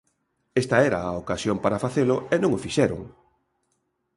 Esta era a ocasión para facelo e non o fixeron.